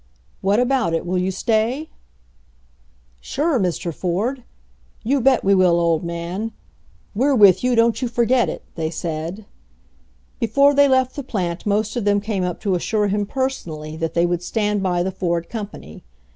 What about it, will you stay ?" "Sure, Mr. Ford." "You bet we will, old man!" "We're with you; don't you forget it!" they said. Before they left the plant most of them came up to assure him personally that they would stand by the Ford company.